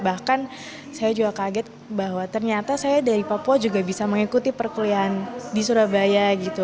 bahkan saya juga kaget bahwa ternyata saya dari papua juga bisa mengikuti perkulian di surabaya gitu